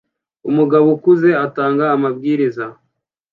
Umugabo ukuze atanga amabwiriza